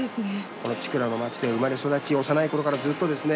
この千倉の町で生まれ育ち幼い頃からずっとですね